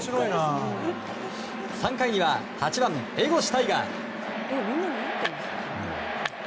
３回には８番、江越大賀。